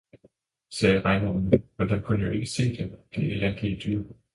sagde regnormen, men den kunne jo ikke se, det elendige dyr.